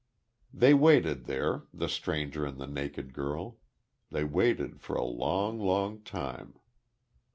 They waited there, the stranger and the naked girl. They waited for a long, long time....